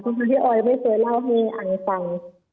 เพราะที่ออยไม่เคยเล่าให้อังษัง